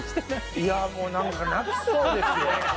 いやもう、なんか泣きそうですよ。